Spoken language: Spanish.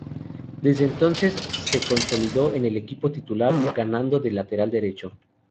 Desde entonces, se consolidó en el equipo titular jugando de lateral derecho.